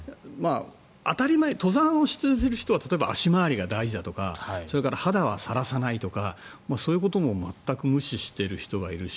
当たり前登山をしている人は足回りが大事だとかそれから肌はさらさないとかそういうことも全く無視してる人もいるし